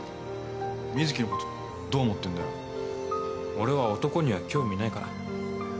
俺は男には興味ないから。